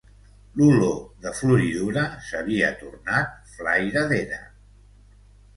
L’olor de floridura s'havia tornat flaira d'era